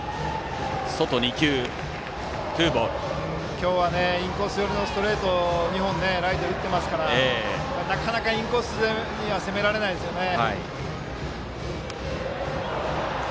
今日はインコース寄りのストレートを２本ライトに打っているのでなかなかインコースには攻められないですね。